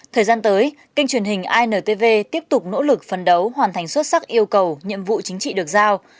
thời gian tới kênh truyền hình intv tiếp tục nỗ lực phấn đấu hoàn thành xuất sắc yêu cầu nhiệm vụ chính trị được giao